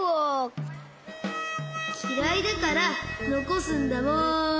こころのこえきらいだからのこすんだもん。